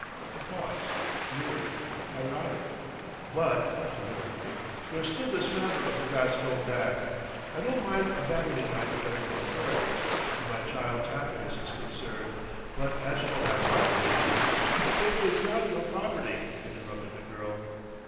He paused, leering, ironic. "But," deliberately, "there's still this other matter of the gladstone bag. I don't mind abandoning my parental authority, when my child's happiness is concerned, but as for my property " "It is not your property," interrupted the girl.